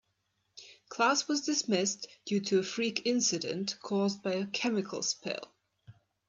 Class was dismissed due to a freak incident caused by a chemical spill.